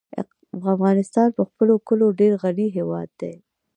افغانستان په خپلو کلیو ډېر غني هېواد دی.